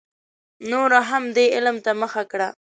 نورو هم دې علم ته مخه کړه.